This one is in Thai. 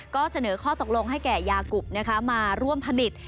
ก็เสนอข้อตกลงให้แก่ยากุบมาร่วมผลิต